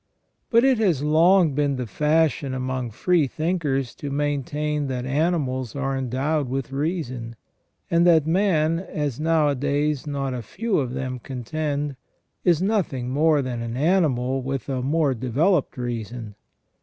But it has long been the fashion among free thinkers to maintain that animals are endowed with reason ; and that man, as nowadays not a few of them contend, is nothing more than an animal with, a more developed reason.